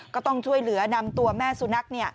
ก็ต้องช่วยเหลือนำตัวแม่สุนัข